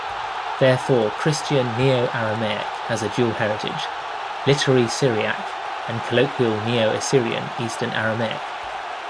Therefore, Christian Neo-Aramaic has a dual heritage: literary Syriac and colloquial Neo-Assyrian Eastern Aramaic.